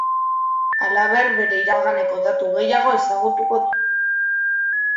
Halaber, bere iraganeko datu gehiago ezagutuko ditu.